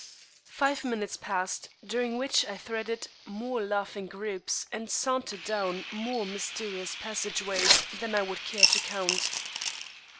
Five minutes passed, during which I threaded more laughing groups and sauntered down more mysterious passage ways than I would care to count.